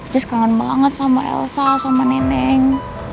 terus kangen banget sama elsa sama neneng